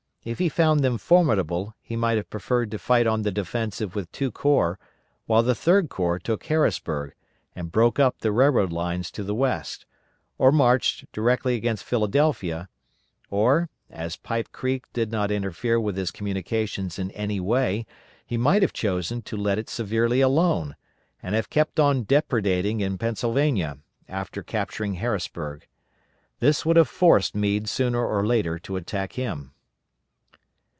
If he found them formidable he might have preferred to fight on the defensive with two corps, while the Third Corps took Harrisburg, and broke up the railroad lines to the west, or marched directly against Philadelphia; or, as Pipe Creek did not interfere with his communications in any way he might have chosen to let it severely alone, and have kept on depredating in Pennsylvania, after capturing Harrisburg. This would have forced Meade sooner or later to attack him.